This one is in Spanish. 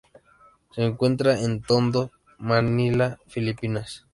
Se encuentra en Tondo, Manila, Filipinas.